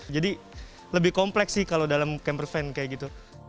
jadi lebih kompleks sih kalau dalam camper van kayak gitu